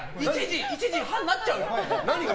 １時半になっちゃうよ！